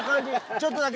ちょっとだけ！